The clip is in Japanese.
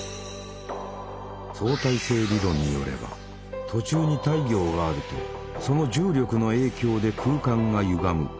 相対性理論によれば途中に太陽があるとその重力の影響で空間がゆがむ。